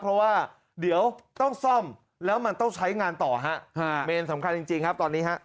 เพราะว่าเดี๋ยวต้องซ่อมแล้วมันต้องใช้งานต่อฮะเมนสำคัญจริงครับตอนนี้ฮะ